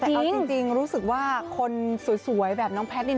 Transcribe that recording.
เอาจริงรู้สึกว่าคนสวยแบบน้องเพชรนี่นะ